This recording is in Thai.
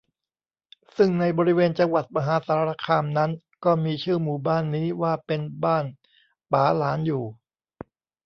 ซึ่งในบริเวณจังหวัดมหาสารคามนั้น ก็มีชื่อหมู่บ้านนี้ว่าเป็นบ้านป๋าหลานอยู่